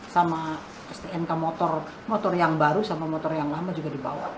sama stnk motor yang baru sama motor yang lama juga dibawa